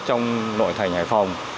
trong nội thành hải phòng